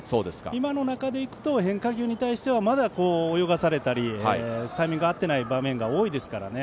今の中でいくと変化球に対してはまだ、泳がされたりタイミングが合っていない場面が多いですからね。